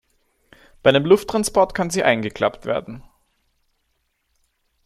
Bei einem Lufttransport kann sie eingeklappt werden.